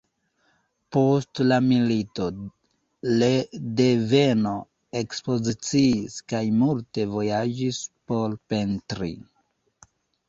Post la milito le denove ekspoziciis kaj multe vojaĝis por pentri.